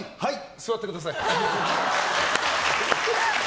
座ってください。